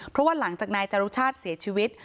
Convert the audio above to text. เพราะว่าหลังจากนายจรุชาติเสียชีวิต